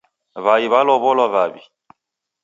Wai walowolwa wawi